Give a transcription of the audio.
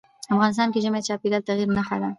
افغانستان کې ژمی د چاپېریال د تغیر نښه ده.